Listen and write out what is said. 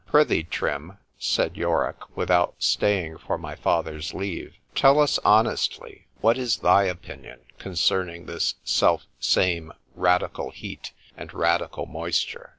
——Prithee, Trim, said Yorick, without staying for my father's leave,—tell us honestly—what is thy opinion concerning this self same radical heat and radical moisture?